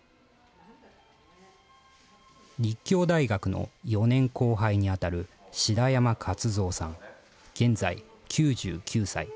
立教大学の４年後輩に当たる白山勝三さん、現在９９歳。